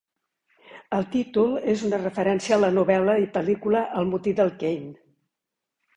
El títol és una referència a la novel·la i pel·lícula "El motí del Caine".